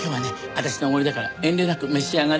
私のおごりだから遠慮なく召し上がれ。